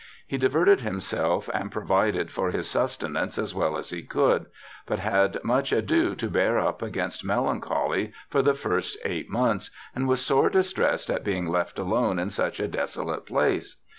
He diverted himself and provided for his sustenance as well as he could ; but had much ado to bear up against melancholy for the first eight months, and was sore distressed at being left alone in such a desolate place.